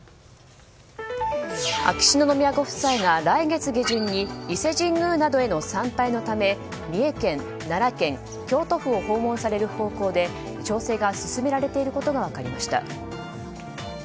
秋篠宮ご夫妻が来月下旬に伊勢神宮などへの参拝のため三重県、奈良県、京都府を訪問される方向で調整が進められていることが分かりました。